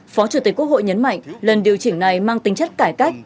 phó chủ tịch quốc hội nhấn mạnh lần điều chỉnh này mang tính chất cải cách